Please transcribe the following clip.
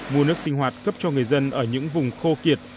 mua nước sinh hoạt cấp cho người dân ở những vùng khô kiệt